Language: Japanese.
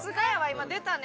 今出たね。